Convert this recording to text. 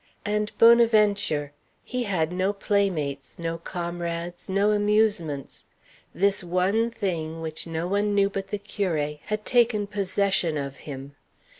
And Bonaventure, he had no playmates no comrades no amusements. This one thing, which no one knew but the curé, had taken possession of him.